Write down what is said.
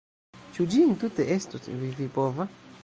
Ĉu ĝi entute estos vivipova?